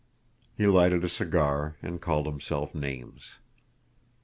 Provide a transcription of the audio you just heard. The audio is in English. He lighted a cigar and called himself names.